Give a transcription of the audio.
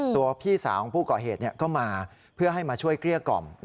พี่สาวของผู้ก่อเหตุก็มาเพื่อให้มาช่วยเกลี้ยกล่อม